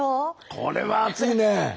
これは熱いね。